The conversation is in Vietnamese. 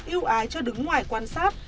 yêu ái cho đứng ngoài quan sát